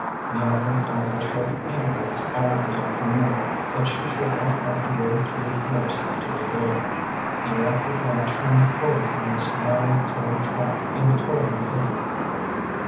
He had been out at short intervals all the afternoon, that she should not have to wade through drifts to the door. The electric light shone full on this narrow, cleared track and the toiling figure.